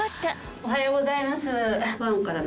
おはようございます。